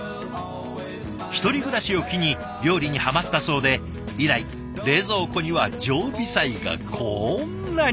１人暮らしを機に料理にはまったそうで以来冷蔵庫には常備菜がこんなに！